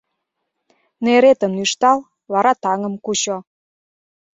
Неретым нӱштал, вара таҥым кучо!